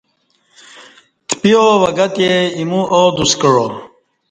تپی آو وگہ تے ایمو آدوس کعا